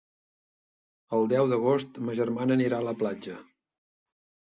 El deu d'agost ma germana anirà a la platja.